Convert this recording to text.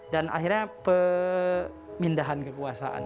dan akhirnya pemindahan kekuasaan